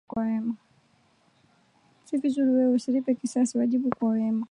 Si vizuri wewe, usilipe kisasi, wajibu kwa wema.